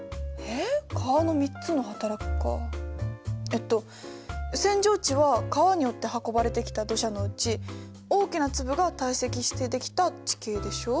えっと扇状地は川によって運ばれてきた土砂のうち大きな粒が堆積してできた地形でしょ。